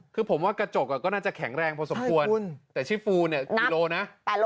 คือผมว่ากระจกก็น่าจะแข็งแรงพอสมควรแต่ชีฟูเนี่ยกิโลนะ